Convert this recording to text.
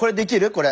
これ。